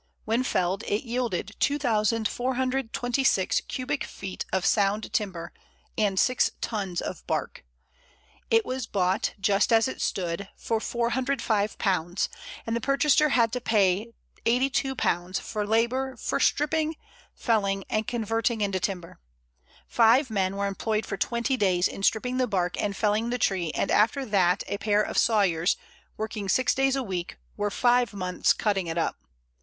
When felled, it yielded 2426 cubic feet of sound timber, and six tons of bark. It was bought just as it stood for £405, and the purchaser had to pay £82 for labour for stripping, felling, and converting into timber. Five men were employed for twenty days in stripping the bark and felling the tree, and after that a pair of sawyers, working six days a week, were five months cutting it up.